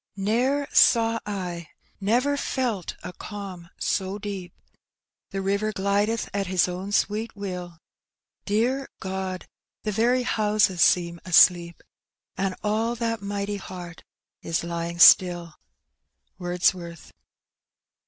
Ne'er saw I, never felt a oalm so deep! The river glideth at his own sweet will j Dear God, the veiy honses eeem asleep; And all that mightj heart is lying bCJII. Wordsworth.